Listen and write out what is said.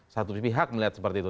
satu pihak melihat seperti itu